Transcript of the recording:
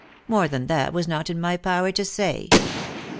More than that was not in my power to say.